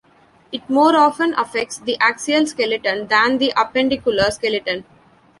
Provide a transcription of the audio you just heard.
It more often affects the axial skeleton than the appendicular skeleton.